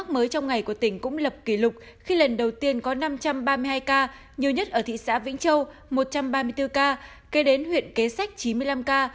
tuy nhiên cũng lập kỷ lục khi lần đầu tiên có năm trăm ba mươi hai ca nhiều nhất ở thị xã vĩnh châu một trăm ba mươi bốn ca kể đến huyện kế sách chín mươi năm ca